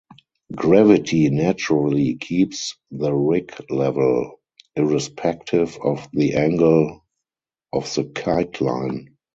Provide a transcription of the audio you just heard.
Gravity naturally keeps the rig level, irrespective of the angle of the kite line.